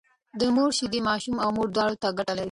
د مور شيدې ماشوم او مور دواړو ته ګټه لري